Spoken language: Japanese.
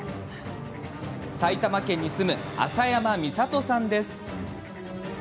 埼玉県に住む浅山美里さんです。